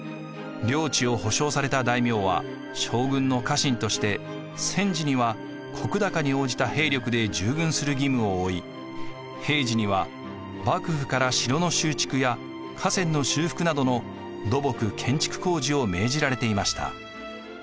領知を保証された大名は将軍の家臣として戦時には石高に応じた兵力で従軍する義務を負い平時には幕府から城の修築や河川の修復などの土木・建築工事を命じられていました。